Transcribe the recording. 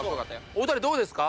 お二人どうですか？